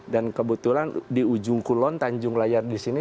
dan kebetulan di ujung kulon tanjung layar di sini